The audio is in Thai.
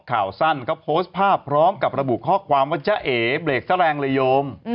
ข่าวสั้นก็โพสต์ภาพพร้อมกับระบุข้อความว่าจ้าเอ๋เบรกซะแรงเลยโยม